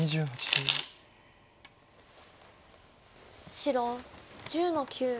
白１０の九。